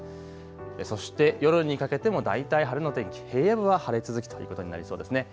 そして夜にかけても大体晴れの天気、平野部は晴れ続きということになりそうですね。